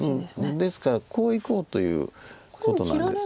ですからこういこうということなんです。